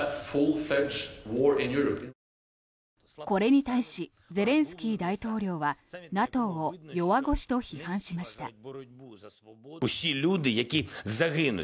これに対しゼレンスキー大統領はＮＡＴＯを弱腰と批判しました。